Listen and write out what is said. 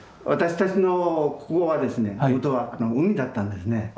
私たちのここはですねもとは海だったんですね。